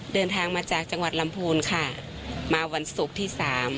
เดินทางมาจากจังหวัดลำพูนค่ะมาวันศุกร์ที่สาม